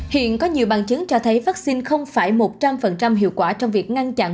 hiện có nhiều bằng chứng cho thấy vaccine không phải một trăm linh hiệu quả trong việc ngăn chặn